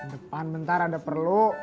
depan bentar ada perlu